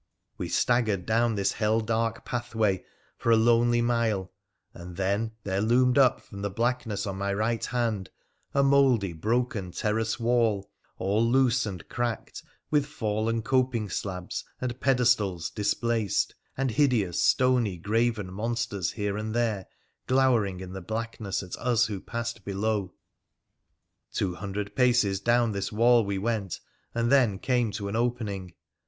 We staggered down this hell dark pathway for a lonely mile, and then there loomed up from the blackness on my right hand a mouldy, broken terrace wall, all loose and cracked, with fallen coping slabs and pedestals displaced, and hideous, stony, graven monsters here and there glowering in the blackness at us who passed below. Two hundred paces down this wall we went, and then came to an opening.